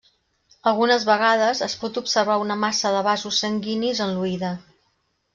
Algunes vegades, es pot observar una massa de vasos sanguinis en l'oïda.